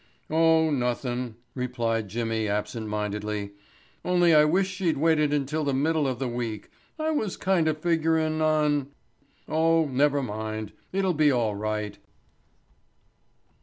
"Oh, nothin'," replied Jimmy absent mindedly, "only I wish she'd waited until the middle of the week. I was kinda figurin' on—oh, never mind, it'll be all right."